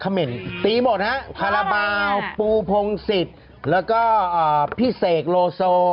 เหม็นตีหมดฮะคาราบาลปูพงศิษย์แล้วก็พี่เสกโลโซ